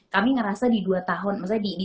kami ngerasa di dua tahun maksudnya di